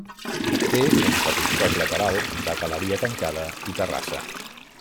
Té un petit cos lateral de galeria tancada i terrassa.